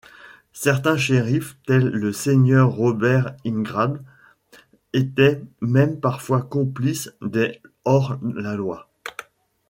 Certains shérifs, tel le seigneur Robert Ingram, étaient même parfois complices des hors-la-loi.